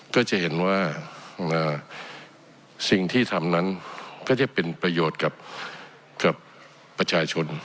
ก็จะเห็นว่าสิ่งที่ทำนั้นก็จะเป็นประโยชน์กับประชาชน